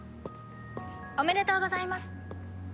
おめでとうございます。